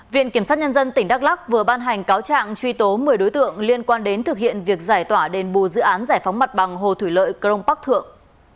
viện kiểm sát nhân dân tỉnh đắk lắc vừa ban hành cáo trạng truy tố một mươi đối tượng liên quan đến thực hiện việc giải tỏa đền bù dự án giải phóng mặt bằng hồ thủy lợi crong park thượng